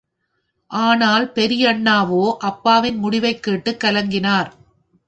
ஆனால், பெரியண்ணாவோ அப்பாவின் முடிவைக் கேட்டுக் கலங்கினார்.